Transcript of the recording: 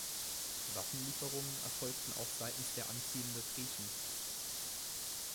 Waffenlieferungen erfolgten auch seitens der anziehende Griechen.